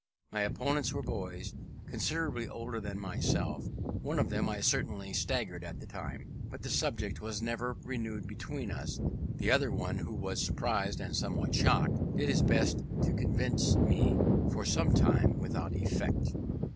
My opponents were boys, considerably older than myself: one of them I certainly staggered at the time, but the subject was never renewed between us: the other who was surprised and somewhat shocked, did his best to convince me for some time, without effect.